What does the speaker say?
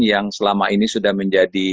yang selama ini sudah menjadi